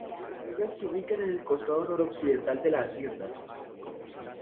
Las bodegas se ubican en el costado noroccidental de la hacienda.